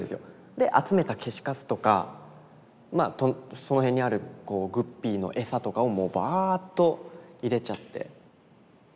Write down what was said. で集めた消しかすとかまあその辺にあるグッピーの餌とかをもうバーッと入れちゃって。